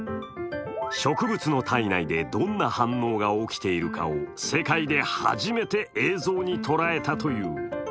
植物の体内でどんな反応が起きているかを世界で初めて映像にとらえたという。